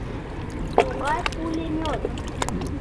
— Могай пулемёт?